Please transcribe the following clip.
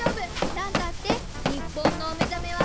なんたって日本のおめざめは。